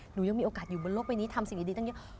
หนูยังมีโอกาสอยู่บนโลกใบนี้ทำสิ่งดีตั้งเยอะ